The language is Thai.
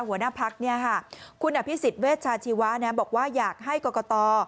หัวหน้าพักคุณอภิษฎเวชาชีวะบอกว่าอยากให้กรกต